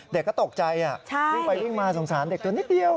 เด็กก็ตกใจวิ่งไปวิ่งมาสงสารเด็กตัวนิดเดียว